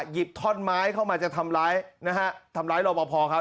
หยิบท่อนไม้เข้ามาจะทำร้ายนะฮะทำร้ายรอปภครับ